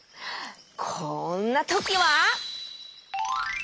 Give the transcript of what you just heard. こんなときは！